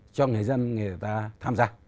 cho người dân người ta tham gia